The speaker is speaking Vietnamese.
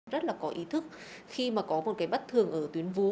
rất là có ý thức khi mà có một cái bất thường ở tuyến vuô